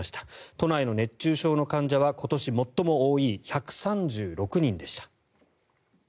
都内の熱中症の患者は今年最も多い１３６人でした。